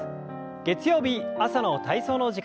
月曜日朝の体操の時間です。